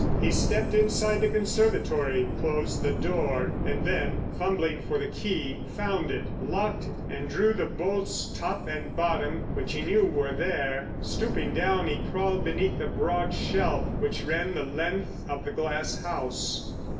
He stepped inside the conservatory, closed the door, and then, fumbling for the key, found it. He locked it, and drew the bolts top and bottom which he knew were there. Stooping down he crawled beneath the broad shelf which ran the length of the glass house.